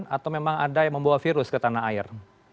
atau memang ada yang membawa virus ke tanah air